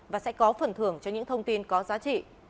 và sẽ có phần thưởng cho những thông tin có giá trị